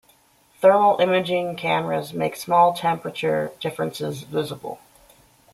Thermal imaging cameras make small temperature differences visible.